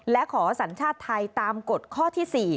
และขอสัญชาติไทยตามกฎข้อที่๔